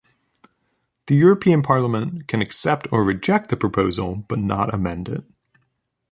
The European Parliament can accept or reject the proposal but not amend it.